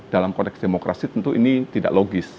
dalam konteks demokrasi tentu ini tidak logis